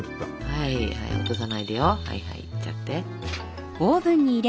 はいはい落とさないでよ。いっちゃって。